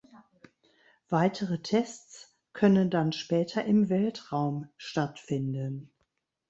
Weitere Tests könnten dann später im Weltraum stattfinden.